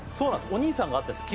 お兄さんが合ってんですよ